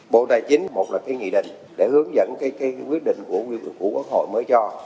bộ tài chính một là cái nghị định để hướng dẫn cái quyết định của nguyên thường của quốc hội mới cho